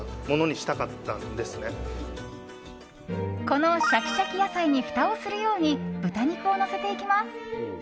このシャキシャキ野菜にふたをするように豚肉をのせていきます。